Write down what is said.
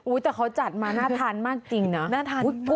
อุ้ยแต่เขาจัดมาน่าทานมากจริงนะ